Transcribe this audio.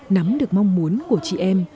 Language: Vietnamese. nắm được mong muốn của chị em